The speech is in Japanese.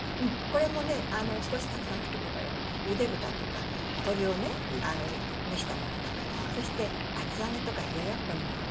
これもね少したくさん作っておかれるとゆで豚とか鶏をね蒸したものとかそして厚揚げとか冷やっこにもよろしいんですよね。